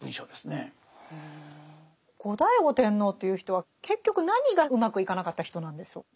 後醍醐天皇という人は結局何がうまくいかなかった人なんでしょう？